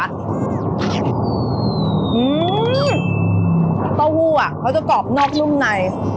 เต้าหู้อ่ะเขาจะกรอบนอกนุ่มใน